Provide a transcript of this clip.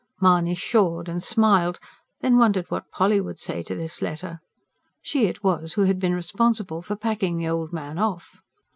Mahony pshawed and smiled; then wondered what Polly would say to this letter. She it was who had been responsible for packing the old man off.